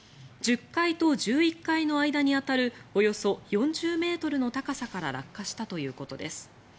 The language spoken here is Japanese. １０階と１１階の間に当たるおよそ４０ｍの高さから落下したということです。